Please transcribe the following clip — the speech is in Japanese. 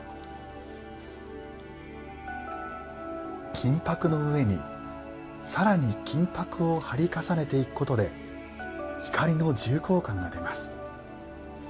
金箔の上に更に金箔を貼り重ねていくことで光の重厚感が出ます。